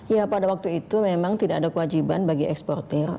ya pada waktu itu memang tidak ada kewajiban bagi eksportir